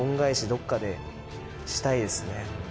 どっかでしたいですね